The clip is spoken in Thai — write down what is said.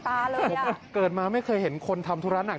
ผมเกิดมาไม่เคยเห็นคนทำธุระหนัก